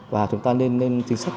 và chúng ta nên lên chính sách